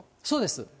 そうです。